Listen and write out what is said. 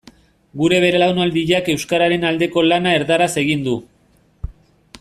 Gure belaunaldiak euskararen aldeko lana erdaraz egin du.